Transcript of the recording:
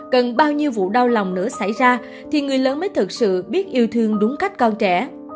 cần bao nhiêu vụ đau lòng nữa xảy ra thì người lớn mới thực sự biết yêu thương đúng cách con trẻ